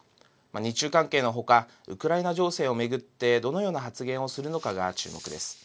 日中関係のほか、ウクライナ情勢を巡ってどのような発言をするのかが、注目です。